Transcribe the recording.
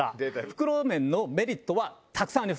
袋麺のメリットはたくさんあります。